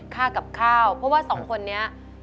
ค่ากับข้าวเพราะว่าสองคนนี้